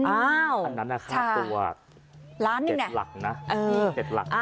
อันนั้นน่ะค่ะตัวเจ็ดหลักนะ